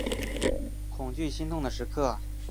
恐惧心痛的时刻